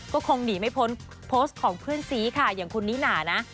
ก็คงหนีไม่พ้นโพสต์ของเพื่อนซีค่ะอย่างคุณนิน่านะ